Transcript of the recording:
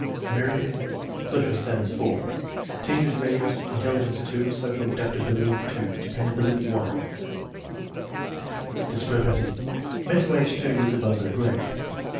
American, social status 4. Teacher's ratings: intelligence 2, social adaptability 2, de pendability 1. Discrepancy: Mental age two years above her grade.